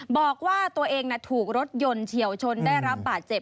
บอกว่าตัวเองถูกรถยนต์เฉียวชนได้รับบาดเจ็บ